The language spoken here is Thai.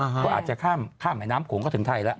เขาอาจจะข้ามแม่น้ำโขงก็ถึงไทยแล้ว